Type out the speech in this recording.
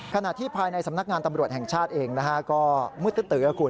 ขณะที่ภายในสำนักงานตำรวจแห่งชาติเองก็มืดตื้อคุณ